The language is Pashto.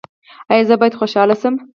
ایا زه باید خوشحاله شم؟